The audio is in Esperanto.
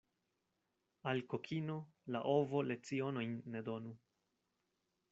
Al kokino la ovo lecionojn ne donu.